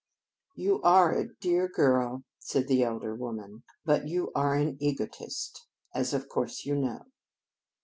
"You are a dear girl," said the elder woman, "but you are an egotist, as of course you know."